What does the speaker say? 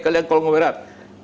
kalian kolonial barat